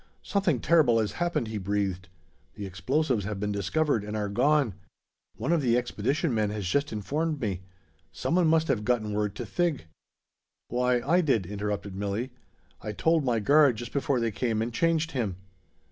"Something terrible has happened!" he breathed. "The explosives have been discovered and are gone. One of the expedition men has just informed me. Someone must have gotten word to Thig " "Why, I did," interrupted Milli. "I told my guard, just before they came and changed him."